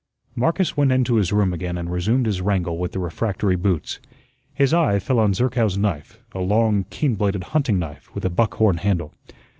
Marcus went into his room again and resumed his wrangle with the refractory boots. His eye fell on Zerkow's knife, a long, keen bladed hunting knife, with a buckhorn handle.